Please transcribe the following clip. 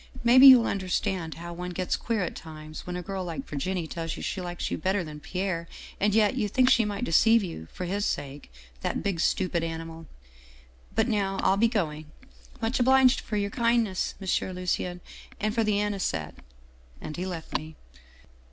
Maybe you'll under stand how one gets queer at times, when a girl like Vir ginie tells you she likes you better than Pierre, and yet you think she might deceive you for his sake that big, stupid animal But now I'll be going. Much obliged for your kindness, M. Lucien, and for the anisette ' And he left me.